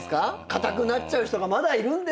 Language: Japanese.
かたくなっちゃう人がまだいるんですもん。